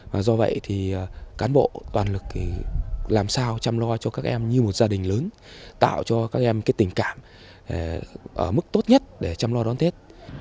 và do vậy thì cán bộ toàn lực thì làm sao chăm lo cho các em như một gia đình lớn tạo cho các em cái tình cảm ở mức tốt nhất để chăm lo đón tết